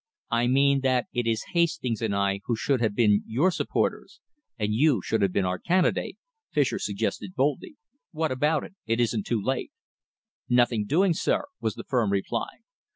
"I mean that it is Hastings and I who should have been your supporters, and you who should have been our candidate," Fischer suggested boldly. "What about it? It isn't too late." "Nothing doing, sir," was the firm reply.